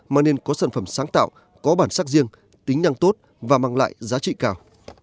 mà nên có sản phẩm sáng tạo có bản sắc riêng tính năng tốt và mang lại giá trị cao